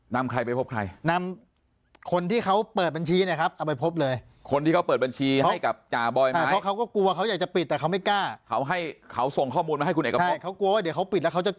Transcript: จะมีปัญหาผลกระทบกับตัวเขาหรือเปล่า